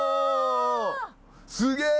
すげえ！